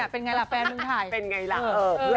เป็นยังไงล่ะแฟนมึงทาย